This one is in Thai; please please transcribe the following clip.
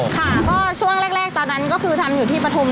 ค่ะก็ช่วงแรกตอนนั้นก็คือทำอยู่ที่ปฐุม